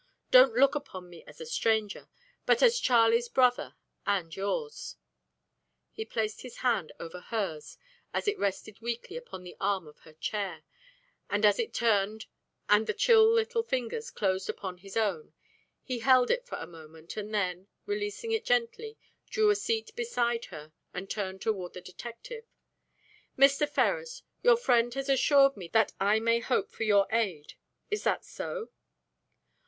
Don't look upon me as a stranger, but as Charlie's brother, and yours." He placed his hand over hers as it rested weakly upon the arm of her chair, and as it turned and the chill little fingers closed upon his own, he held it for a moment and then, releasing it gently, drew a seat beside her and turned toward the detective. "Mr. Ferrars, your friend has assured me that I may hope for your aid. Is that so?"